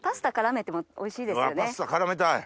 パスタ絡めたい！